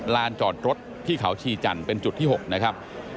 ลานจอดรถที่เขาชีจันทร์เป็นจุดที่๖นะครับ